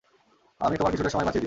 আমি তোমার কিছুটা সময় বাচিঁয়ে দিবো।